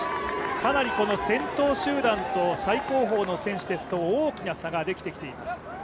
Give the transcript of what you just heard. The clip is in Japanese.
かなりこの先頭集団と最後方の選手ですと大きな差ができてきています。